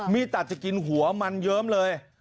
ตัดจะกินหัวมันเยิ้มเลย